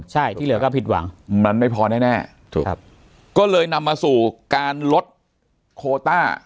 ใช่ที่เหลือก็ผิดหวังมันไม่พอแน่แน่ถูกครับก็เลยนำมาสู่การลดโคต้า